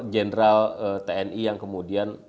general tni yang kemudian